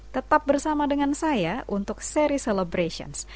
tetap bersama dengan saya untuk seri celebrations